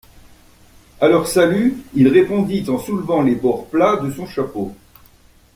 A leur salut, il répondit en soulevant les bords plats de son chapeau.